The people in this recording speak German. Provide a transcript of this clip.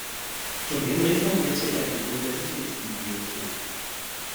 Zudem reformierte er die Universitätsbibliothek.